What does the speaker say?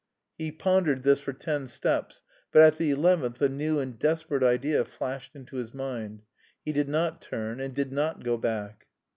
He pondered this for ten steps, but at the eleventh a new and desperate idea flashed into his mind: he did not turn and did not go back.